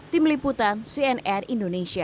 tim liputan cnn indonesia